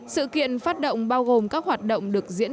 sự kiện phát động bao gồm các hoạt động được diễn